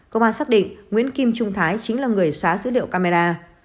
công an xác định nguyễn kim trung thái chính là người xóa dữ liệu camera